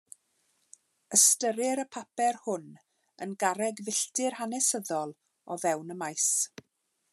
Ystyrir y papur hwn yn garreg filltir hanesyddol o fewn y maes.